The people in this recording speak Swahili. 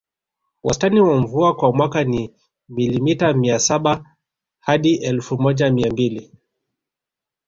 Wastani wa mvua kwa mwaka ni milimita mia saba hadi elfu moja mia mbili